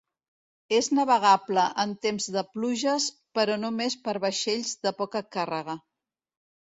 És navegable en temps de pluges però només per vaixells de poca càrrega.